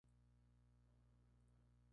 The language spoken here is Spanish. Tras estudiar en el St.